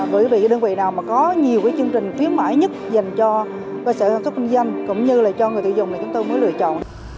với đơn vị nào có nhiều chương trình khuyến mãi nhất dành cho cơ sở sản xuất kinh doanh cũng như là cho người tiêu dùng thì chúng tôi mới lựa chọn